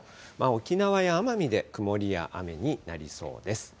沖縄や奄美で曇りや雨になりそうです。